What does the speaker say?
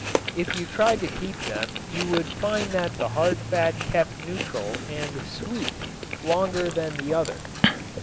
If you tried to keep them you would find that the hard fat kept neutral and "sweet" longer than the other.